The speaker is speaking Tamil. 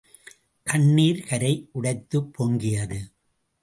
கண்ணிர் கரை உடைத்துப் பொங்கியது.